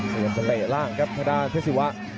เสียสละล่างครับพระดาทเทศศีวะ